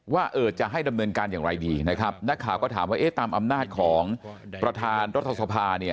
ว่าจะให้ดำเนินการอย่างไรดีนะครับนักข่าวก็ถามว่าเอ๊ะตามอำนาจของประธานรัฐสภาเนี่ย